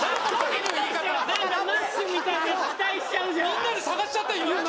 みんなで探しちゃったよ